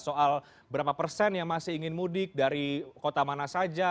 soal berapa persen yang masih ingin mudik dari kota mana saja